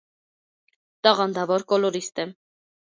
Տաղանդավոր կոլորիստ է։